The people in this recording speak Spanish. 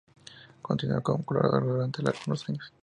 Continuó como colaborador durante algunos años.